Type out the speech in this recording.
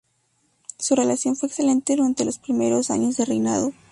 Su relación fue excelente durante los primeros años de reinado.